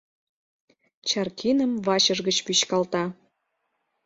Чаркиным вачыж гыч вӱчкалта.